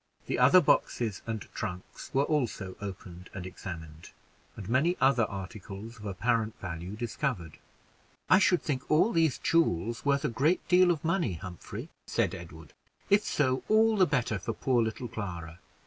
The other boxes and trunks were also opened and examined, and many other articles of apparent value discovered. "I should think all these jewels worth a great deal of money, Humphrey," said Edward; "if so, all the better for poor little Clara.